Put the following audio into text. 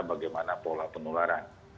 bagaimana pola penularan